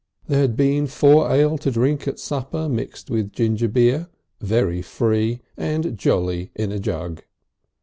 There had been four ale to drink at supper mixed with gingerbeer, very free and jolly in a jug.